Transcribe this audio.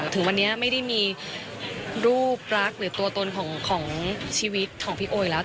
ถึงวันนี้ไม่ได้มีรูปรักหรือตัวตนของชีวิตของพี่โอยแล้ว